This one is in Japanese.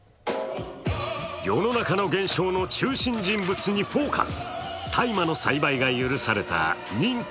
世の中の現象の中心人物に「ＦＯＣＵＳ」。